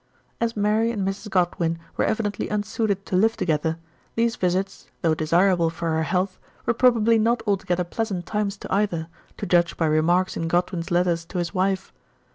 As Mary and Mrs. Godwin were evidently unsuited to live together, these visits, though desirable for her health, were probably not altogether pleasant times to either, to judge by re marks in Godwin's letters to his wife.